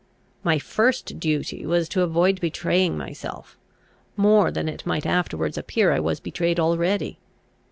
My first duty was to avoid betraying myself, more than it might afterwards appear I was betrayed already.